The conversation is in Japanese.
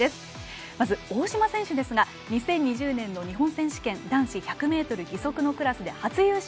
まず大島選手ですが２０２０年の日本選手権男子１００ｍ義足のクラスで初優勝。